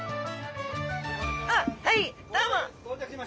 あっはいどうも。